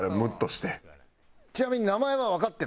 ちなみに名前はわかってる？